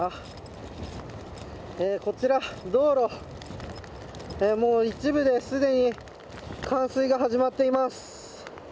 こちら道路、一部ではすでに冠水が始まっています。